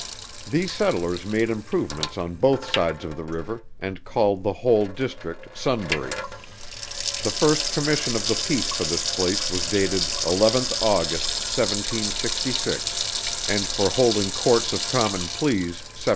These settlers made improvements on both sides of the river, and called the whole district Sunbury. The first commission of the peace for this place was dated 11th August, 1766, and for holding Courts of Common Pleas 1770.